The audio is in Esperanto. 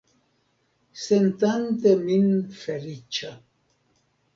Sentante min feliĉa.